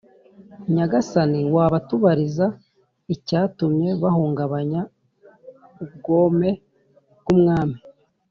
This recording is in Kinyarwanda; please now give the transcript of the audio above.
Nyagasani wabatubariza icyatumye bahubanganya ubwome bw' umwami